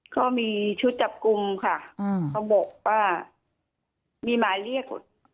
ก็มีชุดจับกลุ่มค่ะเขาบอกว่ามีหมายเรียก